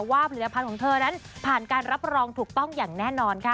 ผลิตภัณฑ์ของเธอนั้นผ่านการรับรองถูกต้องอย่างแน่นอนค่ะ